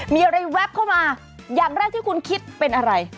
มีอะไรแวบเข้ามาอย่างแรกที่คุณคิดเป็นอะไร